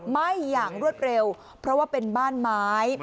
ไหม้อย่างรวดเร็วเพราะว่าเป็นบ้านไม้